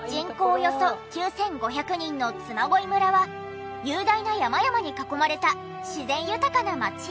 およそ９５００人の嬬恋村は雄大な山々に囲まれた自然豊かな町。